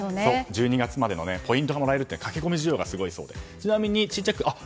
１２月までのポイントがもらえる駆け込み需要がすごいそうです。